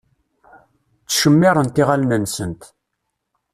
Ttcemmiṛent iɣallen-nsent.